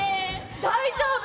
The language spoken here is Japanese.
大丈夫。